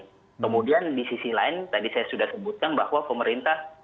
jadi kemudian di sisi lain tadi saya sudah sebutkan bahwa pemerintah